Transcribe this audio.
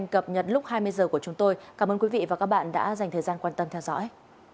cảm ơn quý vị và các bạn đã dành thời gian quan tâm theo dõi